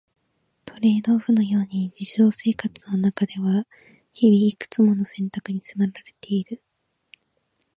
トレードオフのように日常生活の中では日々、いくつもの選択に迫られている。